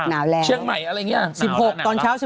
เชียงใหม่อะไรอย่างนี้